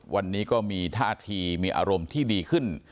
วันนี้ก็มีท่าทีมีอารมณ์ที่ดีขึ้น